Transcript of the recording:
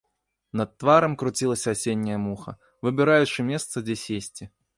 Над тварам круцілася асенняя муха, выбіраючы месца, дзе сесці.